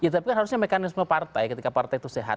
tapi kan harusnya mekanisme partai ketika partai itu sehat